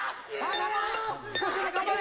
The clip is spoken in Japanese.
頑張れ。